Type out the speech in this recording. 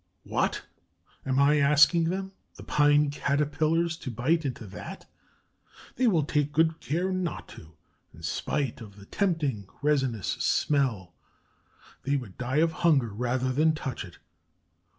What! Am I asking them, the Pine Caterpillars, to bite into that? They will take good care not to, in spite of the tempting resinous smell! They would die of hunger rather than touch it!